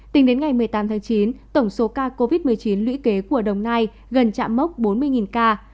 tính đến ngày một mươi tám tháng chín tổng số ca covid một mươi chín lũy kế của đồng nai gần trạm mốc bốn mươi ca